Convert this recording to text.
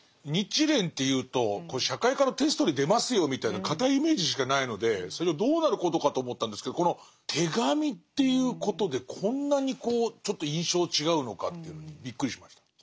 日蓮っていうと社会科のテストに出ますよみたいな堅いイメージしかないので最初どうなることかと思ったんですけどこの手紙っていうことでこんなにちょっと印象違うのかっていうのにびっくりしました。